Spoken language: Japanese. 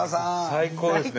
最高ですね